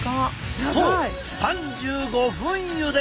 そう３５分ゆで！